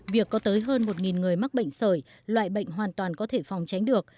việc có tới hơn một người mắc bệnh sởi loại bệnh hoàn toàn có thể phòng tránh được